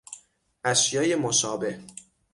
اشیای مشابه